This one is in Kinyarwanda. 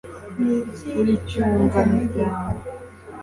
ni iki yaguze mu iduka